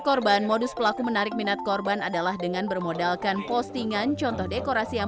korban modus pelaku menarik minat korban adalah dengan bermodalkan postingan contoh dekorasi yang